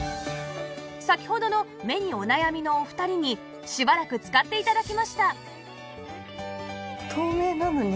先ほどの目にお悩みのお二人にしばらく使って頂きました